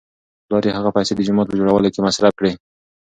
پلار یې هغه پیسې د جومات په جوړولو کې مصرف کړې.